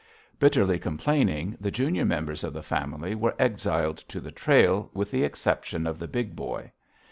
Bitterly complaining, the junior members of the family were exiled to the trail with the exception of the Big Boy.